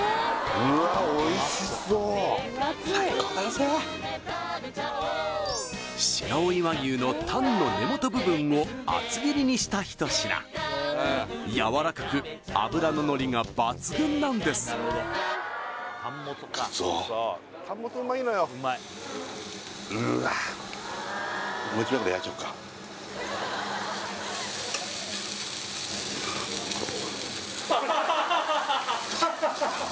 うわおいしそう白老和牛のタンの根元部分を厚切りにした一品やわらかく脂ののりが抜群なんですいくぞうわ